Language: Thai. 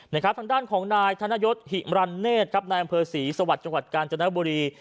ทางด้านของนายธนยศหิมรันเนธครับนายอำเภอศรีสวรรค์จังหวัดกาญจนบุรี